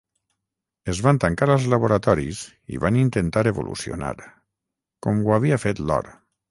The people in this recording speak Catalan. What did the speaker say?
Es van tancar als laboratoris i van intentar evolucionar, com ho havia fet l'or.